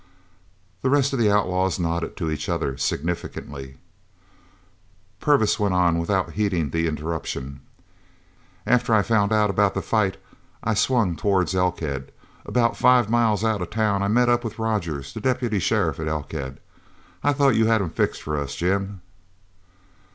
The rest of the outlaws nodded to each other significantly. Purvis went on without heeding the interruption. "After I found out about the fight I swung towards Elkhead. About five miles out of town I met up with Rogers, the deputy sheriff at Elkhead. I thought you had him fixed for us, Jim?"